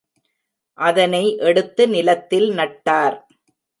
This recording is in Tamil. அதனை எடுத்து நிலத்தில் நட்டார்.